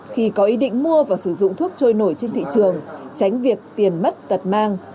không mua và sử dụng thuốc trôi nổi trên thị trường tránh việc tiền mất tật mang